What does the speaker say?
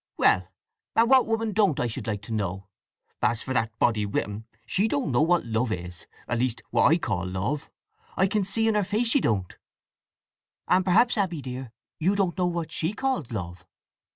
"Well, and what woman don't I should like to know? As for that body with him—she don't know what love is—at least what I call love! I can see in her face she don't." "And perhaps, Abby dear, you don't know what she calls love."